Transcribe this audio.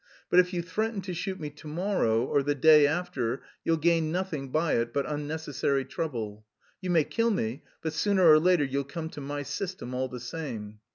But if you threaten to shoot me to morrow, or the day after, you'll gain nothing by it but unnecessary trouble. You may kill me, but sooner or later you'll come to my system all the same.